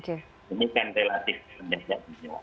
ini kan relatif kebenarannya